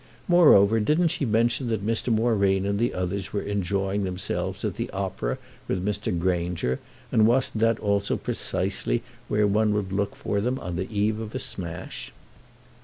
Moreover didn't she mention that Mr. Moreen and the others were enjoying themselves at the opera with Mr. Granger, and wasn't that also precisely where one would look for them on the eve of a smash?